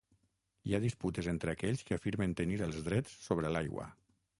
Hi ha disputes entre aquells que afirmen tenir els drets sobre l'aigua.